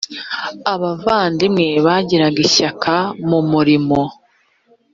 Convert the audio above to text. abavandimwe bagiraga ishyaka mu murimo